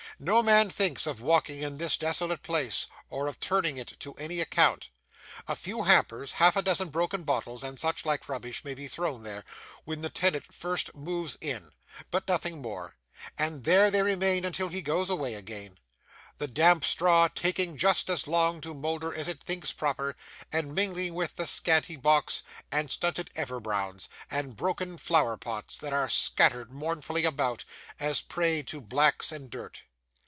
No man thinks of walking in this desolate place, or of turning it to any account. A few hampers, half a dozen broken bottles, and such like rubbish, may be thrown there, when the tenant first moves in, but nothing more; and there they remain until he goes away again: the damp straw taking just as long to moulder as it thinks proper: and mingling with the scanty box, and stunted everbrowns, and broken flower pots, that are scattered mournfully about a prey to 'blacks' and dirt.